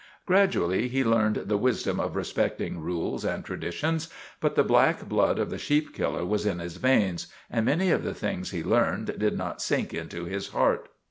" Gradually he learned the wisdom of respecting rules and traditions ; but the black blood of the sheep killer was in his veins, and many of the things he learned did not sink into his heart.